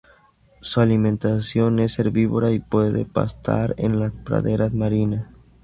Su alimentación es herbívora y puede pastar en las praderas marinas.